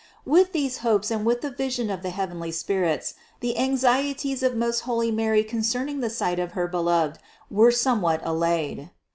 729. With these hopes and with the vision of the heav enly spirits the anxieties of most holy Mary concerning! the sight of her Beloved were somewhat allayed.